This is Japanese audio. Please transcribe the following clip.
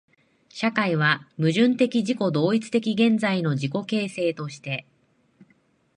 社会は矛盾的自己同一的現在の自己形成として、